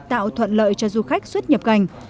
tạo thuận lợi cho du khách xuất nhập cành